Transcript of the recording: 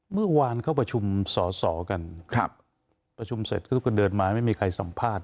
เมื่อวานเข้าประชุมสอสอกันประชุมเสร็จเขาก็เดินมาไม่มีใครสัมภาษณ